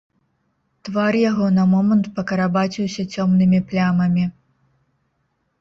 Твар яго на момант пакарабаціўся цёмнымі плямамі.